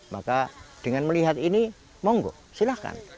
maka dengan melihat ini monggo silahkan